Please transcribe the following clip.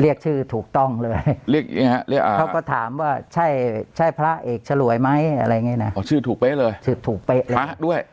เรียกชื่อถูกต้องเลยเขาก็ถามว่าใช่พระเอกชะลวยไหมชื่อถูกเป๊ะเลย